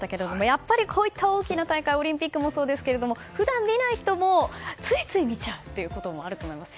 やっぱりこういった大きな大会オリンピックもそうですけど普段見ない人もついつい見ちゃうということもあると思います。